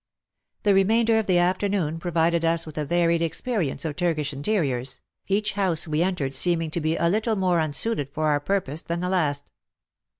The remainder of the afternoon provided us with a varied experience of Turkish interiors, each house we entered seeming to be a little more unsuited for our purpose than the last.